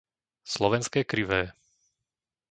Slovenské Krivé